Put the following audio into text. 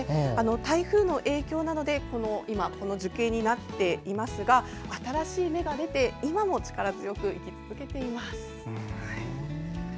台風の影響などでこの樹形になっていますが新しい芽が出て今も力強く生き続けています。